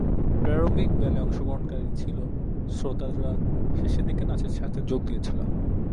প্রারম্ভিক ব্যালে অংশগ্রহণকারী ছিল, শ্রোতারা শেষের দিকে নাচের সাথে যোগ দিয়েছিল।